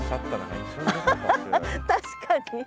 確かに。